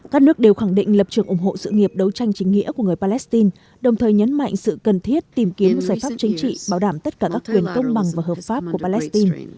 các nước đều khẳng định lập trường ủng hộ sự nghiệp đấu tranh chính nghĩa của người palestine đồng thời nhấn mạnh sự cần thiết tìm kiếm giải pháp chính trị bảo đảm tất cả các quyền công bằng và hợp pháp của palestine